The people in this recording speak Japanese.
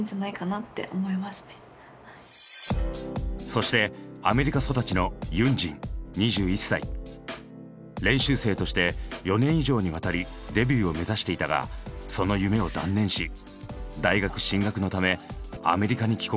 そしてアメリカ育ちの練習生として４年以上にわたりデビューを目指していたがその夢を断念し大学進学のためアメリカに帰国していた。